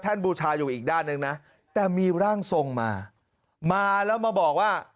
บูชาอยู่อีกด้านหนึ่งนะแต่มีร่างทรงมามาแล้วมาบอกว่า